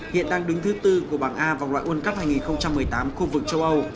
hiện đang đứng thứ tư của bảng a vòng loại world cup hai nghìn một mươi tám khu vực châu âu